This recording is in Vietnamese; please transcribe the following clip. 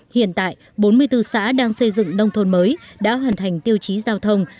hiện tại bốn mươi bốn xã đang xây dựng nông thôn mới đã hoàn thành tiêu chí giao thông